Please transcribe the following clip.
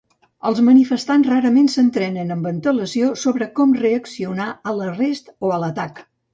Els manifestants rarament s'entrenen amb antelació sobre com reaccionar a l'arrest o a l'atac.